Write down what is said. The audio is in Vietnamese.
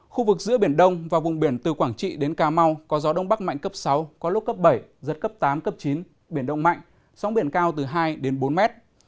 khu vực giữa biển đông và vùng biển từ quảng trị đến cà mau có gió đông bắc mạnh cấp sáu có lúc cấp bảy giật cấp tám cấp chín biển động mạnh sóng biển cao từ hai đến bốn mét